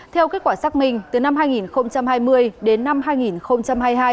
theo kết quả xác minh từ năm hai nghìn hai mươi đến năm hai nghìn hai mươi hai